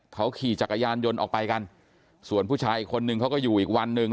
เขาขี่จักรยานยนต์ออกไปกันส่วนผู้ชายอีกคนนึงเขาก็อยู่อีกวันหนึ่ง